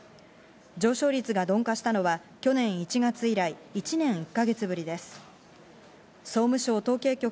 上昇率が鈍化したのは去年１月以来、１年１か月ぶりです。